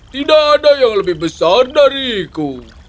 tidak ada yang lebih besar dariku